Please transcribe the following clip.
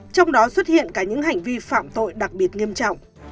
trong đó xuất hiện cả những hành vi phạm tội đặc biệt nghiêm trọng